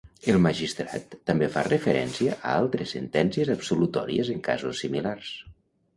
El magistrat també fa referència a altres sentencies absolutòries en casos similars.